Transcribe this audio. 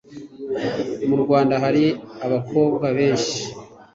Mu Rwanda hari abakobwa benshi